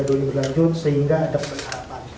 liga dua ini berlanjut sehingga ada perharapan